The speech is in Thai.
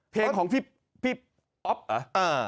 เพลงของพี่อ๊อฟเหรอ